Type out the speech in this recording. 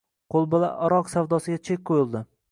Qo‘lbola aroq savdosiga chek qo‘yildi